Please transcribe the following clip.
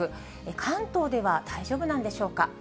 関東では大丈夫なんでしょうか。